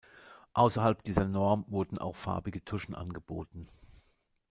Außerhalb dieser Norm wurden auch farbige Tuschen angeboten.